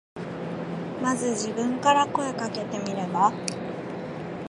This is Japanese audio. まず自分から声かけてみれば。